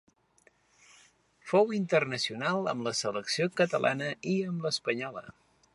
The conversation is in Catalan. Fou internacional amb la selecció catalana i amb l'espanyola.